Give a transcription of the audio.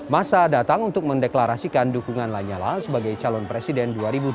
masa datang untuk mendeklarasikan dukungan lanyala sebagai calon presiden dua ribu dua puluh